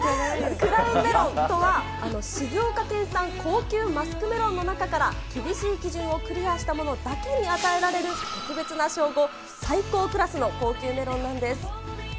クラウンメロンとは、静岡県産高級マスクメロンの中から厳しい基準をクリアしたものだけに与えられる特別な称号、最高クラスの高級メロンなんです。